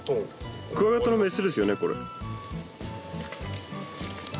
クワガタのメスですよねこれ。